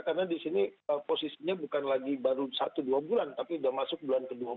karena di sini posisinya bukan lagi baru satu dua bulan tapi sudah masuk bulan ke dua belas